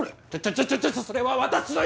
ちょちょちょそれは私のやつ！